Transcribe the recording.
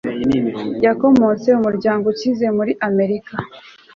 yakomotse mu muryango ukize muri amerika